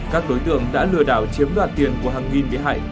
các đối tượng đã lừa đảo chiếm đoạt tiền của hàng nghìn bị hại